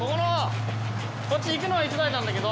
こっち行くのは１台なんだけど。